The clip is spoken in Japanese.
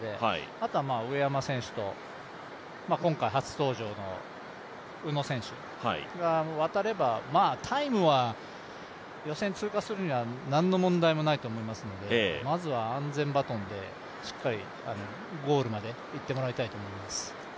あとは上山選手と、今回初登場の宇野選手が渡ればタイムは予選通過するには何の問題もないと思いますのでまずは、安全バトンでしっかり、ゴールまでいってもらいたいと思います。